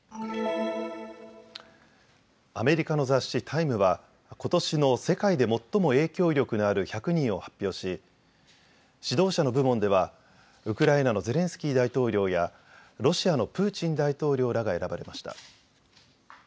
アメリカの雑誌、タイムはことしの世界で最も影響力のある１００人を発表し指導者の部門ではウクライナのゼレンスキー大統領やロシアのプーチン大統領らが選ばれました。